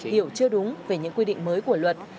hiểu chưa đúng về những quy định mới của luật